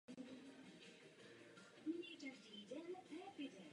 Postupně ztratila jakoukoli funkci a dokonce se uvažovalo o jejím zboření.